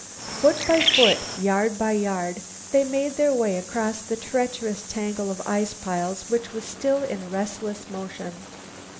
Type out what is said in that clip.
Foot by foot, yard by yard, they made their way across the treacherous tangle of ice piles which was still in restless motion.